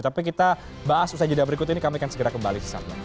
tapi kita bahas usaha jeda berikut ini kami akan segera kembali